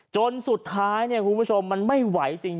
จนสุดท้ายเนี่ยคุณผู้ชมมันไม่ไหวจริง